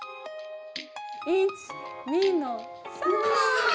１２の３！